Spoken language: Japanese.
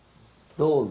どうぞ。